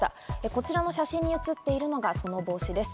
こちらの写真に写っているのがその帽子です。